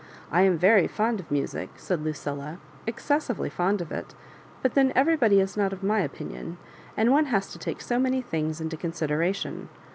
I am very fond of music," said Lucilla —ex cessively fond of it ; but then everybody is not of my opinion — and one has to take so many things into consideration.